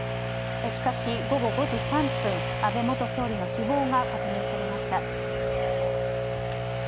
しかし午後５時３分、安倍元総理の死亡が確認されました。